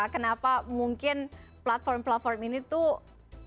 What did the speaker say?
kenapa mungkin platform platform ini tuh